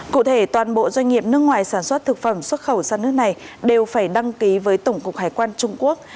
cụ thể toàn bộ doanh nghiệp nước ngoài sản xuất thực phẩm xuất khẩu sang nước này đều phải đăng ký với tổng cục hải quan trung quốc